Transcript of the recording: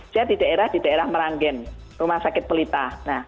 saya di daerah daerah meranggen rumah sakit pelita